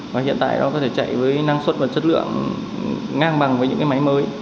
và hiện tại nó có thể chạy với năng suất và chất lượng ngang bằng với những cái máy mới